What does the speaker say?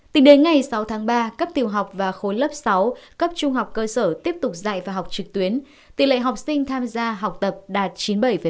tính đến ngày sáu tháng ba cấp tiểu học và khối lớp sáu cấp trung học cơ sở tiếp tục dạy và học trực tuyến tỷ lệ học sinh tham gia học tập đạt chín mươi bảy ba